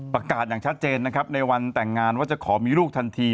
ประกาศอย่างชัดเจนในวันแต่งงานว่าจะขอมีลูกทันที